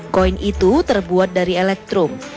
koin itu terbuat dari elektrum